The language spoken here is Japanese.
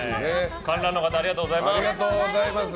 観覧の方ありがとうございます。